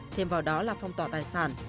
thêm vào đó là phong tỏ tài sản